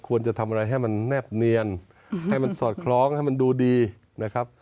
ควรจะทำอะไรให้มันแนบเนียนให้มันสอดคล้องให้มันดูดีนะครับ